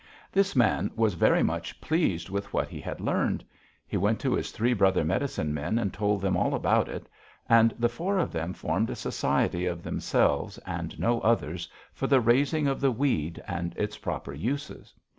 "This man was very much pleased with what he had learned. He went to his three brother medicine men and told them all about it, and the four of them formed a society of themselves and no others, for the raising of the weed and its proper uses.